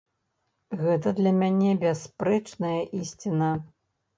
Гэта для мяне бясспрэчная ісціна.